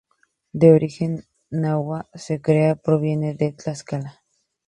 De origen nahua se cree que proviene de Tlaxcala.